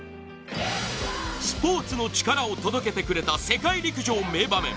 スポーツのチカラを届けてくれた世界陸上名場面。